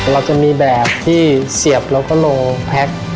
เราจะมีแบบที่เสียบแล้วก็โลแพ็ค